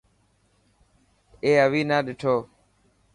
اي اوئي نا ڏٺو.